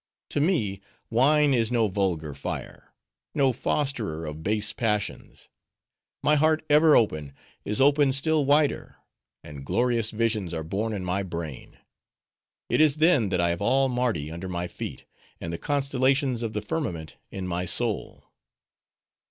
To me, wine is no vulgar fire, no fosterer of base passions; my heart, ever open, is opened still wider; and glorious visions are born in my brain; it is then that I have all Mardi under my feet, and the constellations of the firmament in my soul."